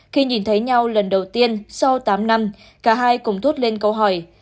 khi nhìn thấy nhau lần đầu tiên sau tám năm cả hai cùng thốt lên câu hỏi